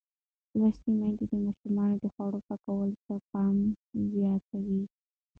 لوستې میندې د ماشومانو د خوړو پاکولو ته پام زیاتوي.